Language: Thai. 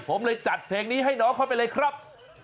ผมเลยจัดเพลงนี้ให้น้องเข้าไปเลยครับ